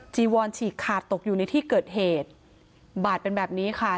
จีวอนฉีกขาดตกอยู่ในที่เกิดเหตุบาดเป็นแบบนี้ค่ะ